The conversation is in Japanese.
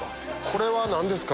これは何ですか？